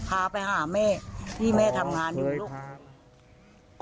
พาไปหาแม่ที่แม่ทำงานอยู่ลูก